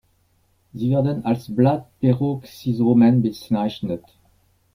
Sie werden als "Blatt-Peroxisomen" bezeichnet.